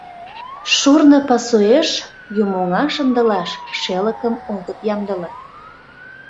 Шурно пасуэш юмоҥа шындылаш шелыкым огыт ямдыле.